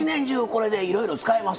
これでいろいろ使えますな。